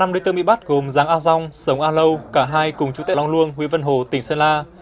năm đối tượng bị bắt gồm giáng a dông sống a lâu cả hai cùng chú tệ long luông huyện vân hồ tỉnh sơn la